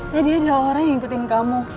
tadi ada orang yang ngikutin kamu